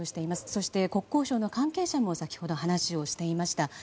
そして、国交省の関係者も先ほど話をしていました。